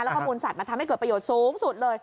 แล้วก็มูลสัตว์มาทำให้เกิดประโยชน์สูงสุดเลย